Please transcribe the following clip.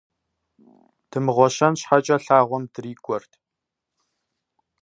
Дымыгъуэщэн щхьэкӏэ лъагъуэм дрикӀуэрт.